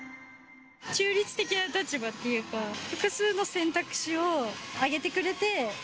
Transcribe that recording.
中立的な立場っていうか、複数の選択肢を挙げてくれて。